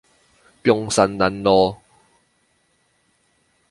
中山南路